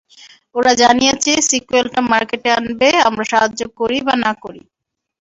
ওরা জানিয়েছে, সিক্যুয়েলটা মার্কেটে আনবে আমরা সাহায্য করি বা না করি।